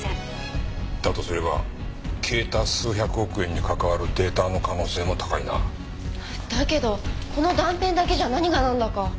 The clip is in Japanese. だとすれば消えた数百億円に関わるデータの可能性も高いな。だけどこの断片だけじゃなにがなんだか。